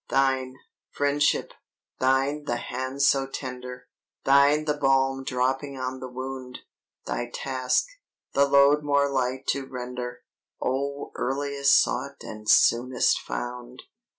"Thine, Friendship, thine the hand so tender, Thine the balm dropping on the wound, Thy task, the load more light to render, O earliest sought and soonest found!"